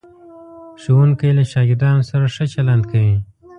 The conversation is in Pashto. ښوونکی له شاګردانو سره ښه چلند کوي.